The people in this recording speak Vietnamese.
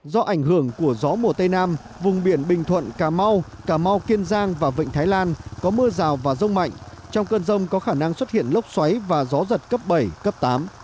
do ảnh hưởng của gió mùa tây nam vùng biển bình thuận cà mau cà mau kiên giang và vịnh thái lan có mưa rào và rông mạnh trong cơn rông có khả năng xuất hiện lốc xoáy và gió giật cấp bảy cấp tám